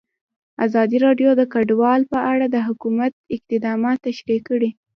ازادي راډیو د کډوال په اړه د حکومت اقدامات تشریح کړي.